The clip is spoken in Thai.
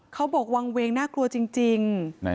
เขาบอกวางเวงน่ากลัวจริง